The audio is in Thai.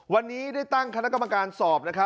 วันนี้ได้ตั้งคณะกำการสอบ